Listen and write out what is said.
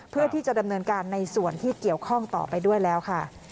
เพื่อที่จะดำเนินการในส่วนที่เกี่ยวข้องต่อไปด้วยแล้วค่ะ